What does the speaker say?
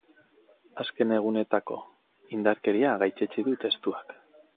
Azken egunetako indarkeria gaitzetsi du testuak.